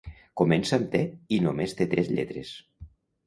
Comença amb te i només té tres lletres.